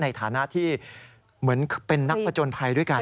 ในฐานะที่เหมือนเป็นนักผจญภัยด้วยกัน